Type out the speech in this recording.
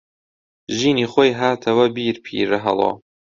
ژینی خۆی هاتەوە بیر پیرەهەڵۆ